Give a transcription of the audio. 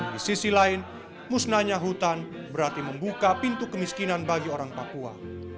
di sisi lain musnahnya hutan berarti membuka pintu kemiskinan bagi orang papua